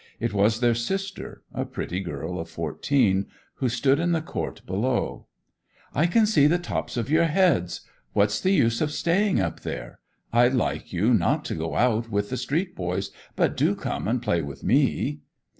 It was their sister, a pretty girl of fourteen, who stood in the court below. 'I can see the tops of your heads! What's the use of staying up there? I like you not to go out with the street boys; but do come and play with me!